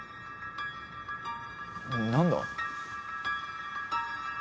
何だ？